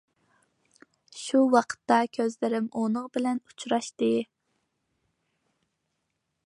شۇ ۋاقىتتا كۆزلىرىم ئۇنىڭ بىلەن ئۇچراشتى.